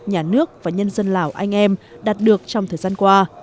nhà nước và nhân dân lào anh em đạt được trong thời gian qua